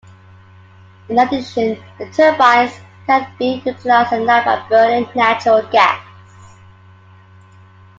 In addition, the turbines can be utilized at night by burning natural gas.